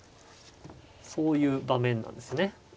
そういう場面なんですね。